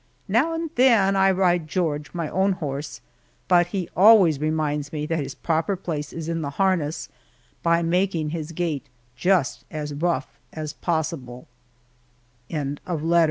Now and then I ride George my own horse but he always reminds me that his proper place is in the harness, by making his gait just as rough as possible.